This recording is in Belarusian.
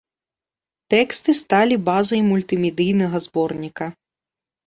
Тэксты сталі базай мультымедыйнага зборніка.